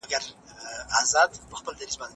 ایا بهرني سوداګر پسته اخلي؟